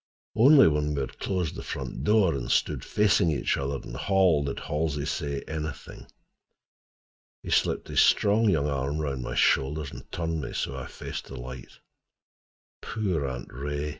Only when we had closed the front door and stood facing each other in the hall, did Halsey say anything. He slipped his strong young arm around my shoulders and turned me so I faced the light. "Poor Aunt Ray!"